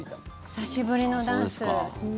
久しぶりのダンス。